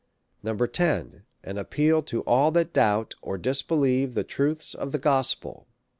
8vo. 10. An Appeal to all that doubt or disbelieve the Truths of the Gospel.